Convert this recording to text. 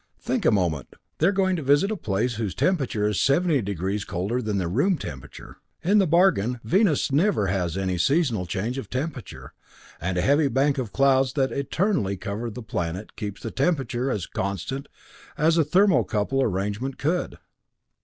"Think a moment they are going to visit a place whose temperature is seventy degrees colder than their room temperature. In the bargain, Venus never has any seasonal change of temperature, and a heavy bank of clouds that eternally cover the planet keeps the temperature as constant as a thermocouple arrangement could.